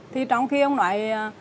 thì trong khi ông nội